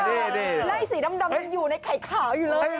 ไล่สีดำยังอยู่ในไข่ขาวอยู่เลย